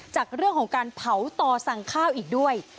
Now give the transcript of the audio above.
จากเรื่องของการเผาต่อสั่งข้าวอีกด้วย